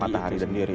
matahari itu sendiri